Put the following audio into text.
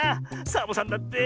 サボさんだって！